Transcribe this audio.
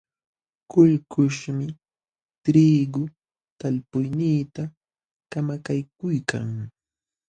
Kullkuśhmi triigu talpuyniita kamakaykuykan.